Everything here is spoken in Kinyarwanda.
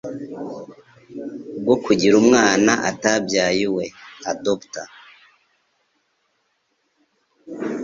bwo kugira umwana atabyaye uwe (adopter).